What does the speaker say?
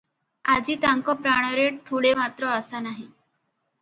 ଆଜି ତାଙ୍କ ପ୍ରାଣରେ ଠୁଳେ ମାତ୍ର ଆଶା ନାହିଁ ।